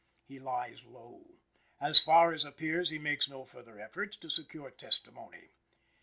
He lies low. As far as appears, he makes no further efforts to secure testimony.